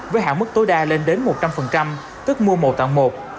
với hạn mức tối đa lên đến một trăm linh tức mua một tặng một